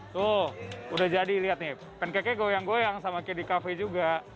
tuh sudah jadi lihat nih pancake nya goyang goyang sama kayak di cafe juga